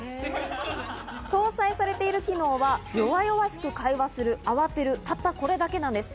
搭載されている機能は弱々しく会話する、あわてる、たったこれだけなんです。